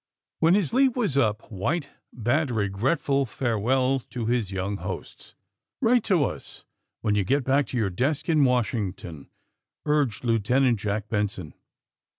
When his leave was up White bade a regretful farewell to his young hosts. Write to us when you get back to your desk in Washington," urged Lieutenant Jack Ben son.